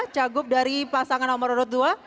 cagup dari pasangan nomor urut dua